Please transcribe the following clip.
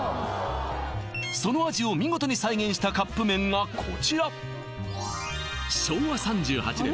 その味を見事に再現したカップ麺がこちら昭和３８年